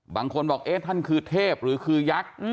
บางคนบอกเอ๊ะท่านคือเทพหรือคือยักษ์